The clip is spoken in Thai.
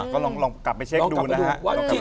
ก็ลองกลับไปเช็คดูนะครับ